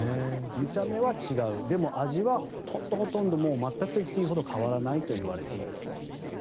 見た目は違うでも、味はほとんど全くと言っていいほど変わらないといわれているそうです。